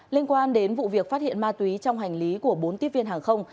liên quan đến vụ việc phát hiện ma túy trong hành lý của bốn tiếp viên hàng không